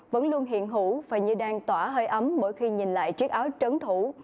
vẫn luôn hiện hữu và như đang tỏa hơi ấm mỗi khi nhìn lại chiếc áo trấn thủ